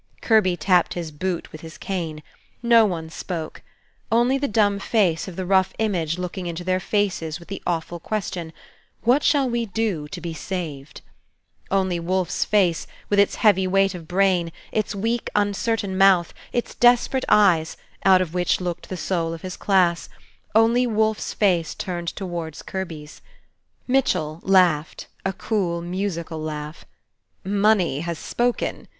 Kirby tapped his boot with his cane. No one spoke. Only the dumb face of the rough image looking into their faces with the awful question, "What shall we do to be saved?" Only Wolfe's face, with its heavy weight of brain, its weak, uncertain mouth, its desperate eyes, out of which looked the soul of his class, only Wolfe's face turned towards Kirby's. Mitchell laughed, a cool, musical laugh. "Money has spoken!"